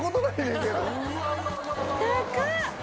高っ！